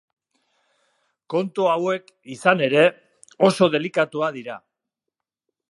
Kontu hauek, izan ere, oso delikatuak dira.